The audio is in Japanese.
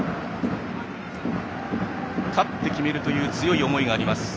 勝って決めるという強い思いがあります